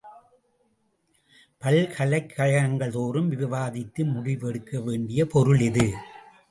பல்கலைக் கழகங்கள் தோறும் விவாதித்து முடிவெடுக்க வேண்டிய பொருள் இது.